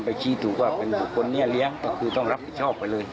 ชี้ถูกว่าเป็นบุคคลนี้เลี้ยงก็คือต้องรับผิดชอบไปเลย